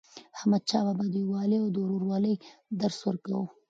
احمدشاه بابا د یووالي او ورورولۍ درس ورکاوه.